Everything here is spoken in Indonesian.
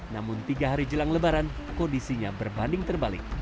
namun tiga hari jelang lebaran kondisinya berbanding terbalik